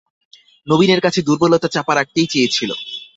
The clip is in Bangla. নবীনের কাছে দুর্বলতা চাপা রাখতেই চেয়েছিল।